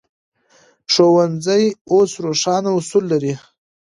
ښوونځي اوس روښانه اصول لري.